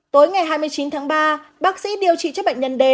tối ngày hai mươi chín tháng ba bác sĩ điều trị cho bệnh nhân d